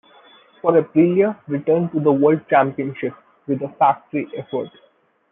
For Aprilia returned to the world championship with a factory effort.